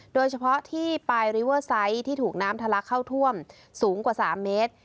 โดยเฉพาะที่ปลายริเวอร์ไซต์ที่ถูกน้ำทะลักเข้าท่วมสูงกว่า๓เมตร